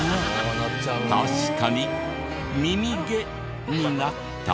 確かに「耳毛」になった。